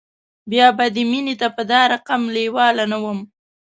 بیا به دې مینې ته په دا رقم لیوال نه وم